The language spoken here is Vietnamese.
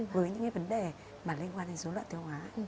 với những cái vấn đề mà liên quan đến số loạn tiêu hóa